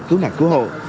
cứu nạn cứu hộ